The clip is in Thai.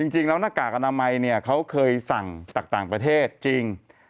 จริงแล้วหน้ากากอนามัยเขาเคยสั่งต่างประเทศจริง